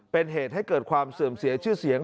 เป็นเหตุให้เกิดความเสื่อมเสียชื่อเสียง